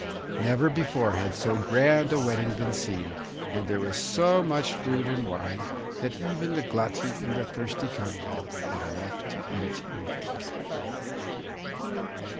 Never before had so grand a wedding been seen, and there was so much food and wine that even the glutton and the thirsty comrade had enough to eat and drink.